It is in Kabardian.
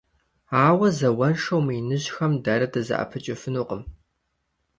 Ауэ, зауэншэу мы иныжьхэм дэрэ дызэӀэпыкӀыфынукъым.